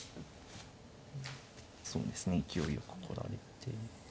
そうですね勢いよく来られて。